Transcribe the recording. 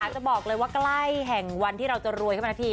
อาจจะบอกเลยว่ากล้ายแห่งวันที่เราจะรวยคำนาคตี